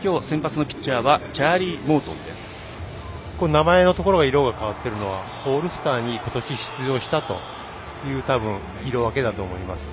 名前のところが色が変わっているのはオールスターにことし出場したというたぶん、色分けだと思います。